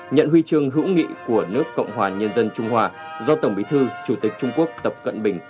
nhận huy chương hữu nghị của nước cộng hòa nhân dân trung hòa do tổng bí thư chủ tịch trung quốc tập cận bình